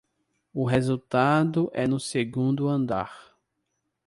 O resultado é no segundo andar